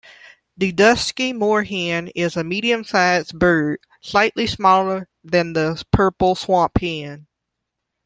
The dusky moorhen is a medium size bird, slightly smaller than the purple swamphen.